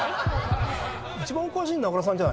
一番お詳しいの名倉さんじゃ。